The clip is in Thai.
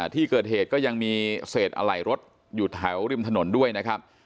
ที่เกิดเหตุก็ยังมีเศษอะไหล่รถอยู่แถวริมถนนด้วยนะครับ